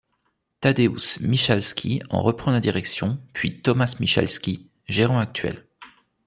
Tadeusz Michalski en reprend la direction, puis Tomasz Michalski, gérant actuel.